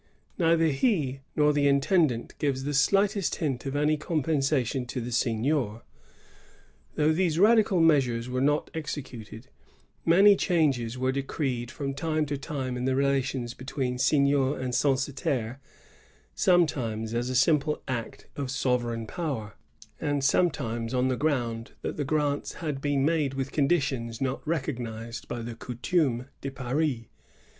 * Neither he nor the intendant gives the slightest hint of any compensation to the seignior. Though these radical measures were not executed, many changes were decreed from time to time in the relations between seignior and censitaire^ — sometimes as a simple act of sovereign power, and sometimes on the ground that the grants had been made with conditions not recognized by the Coutume de Paris.